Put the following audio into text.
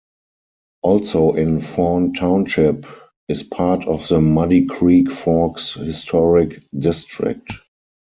Also in Fawn Township is part of the Muddy Creek Forks Historic District.